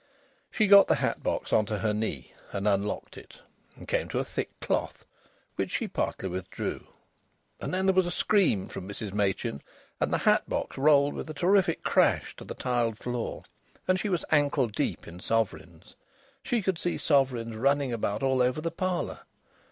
She got the hat box on to her knee, and unlocked it, and came to a thick cloth, which she partly withdrew, and then there was a scream from Mrs Machin, and the hat box rolled with a terrific crash to the tiled floor, and she was ankle deep in sovereigns. She could see sovereigns running about all over the parlour.